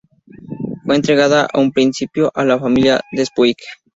Fue entregada en un principio a la familia Despuig.